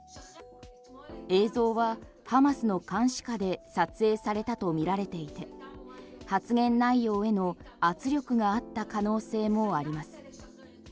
映像はハマスの監視下で撮影されたとみられていて発言内容への圧力があった可能性もあります。